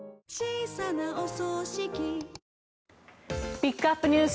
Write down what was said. ピックアップＮＥＷＳ